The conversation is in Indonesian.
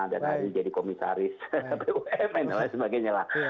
dan ada yang jadi komisaris bum dan lain sebagainya